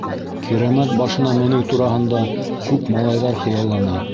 Кирәмәт башына менеү тураһында күп малайҙар хыяллана.